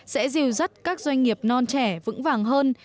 sẽ dìu dắt các doanh nghiệp non trẻ vững vàng hơn